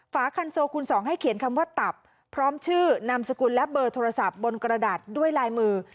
ฝาคันโซคูณ๒ให้เขียนคำว่าตับพร้อมชื่อนามสกุลและเบอร์โทรศัพท์บนกระดาษด้วยลายมือ